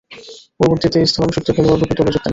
পরবর্তীতে স্থলাভিষিক্ত খেলোয়াড়রূপে দলে যোগ দেন।